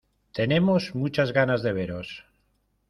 Tenemos muchas ganas de veros.